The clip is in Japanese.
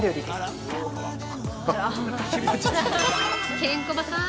◆ケンコバさん